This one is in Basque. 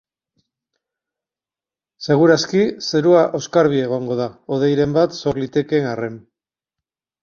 Seguru aski zerua oskarbi egongo da, hodeiren bat sor litekeen arren.